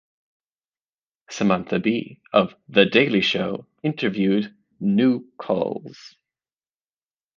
Samantha Bee of "The Daily Show" interviewed Nuckols.